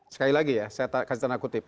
sekali lagi ya saya kasih tanda kutip